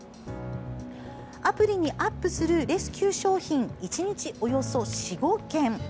アプリにアップするレスキュー商品１日およそ４５件。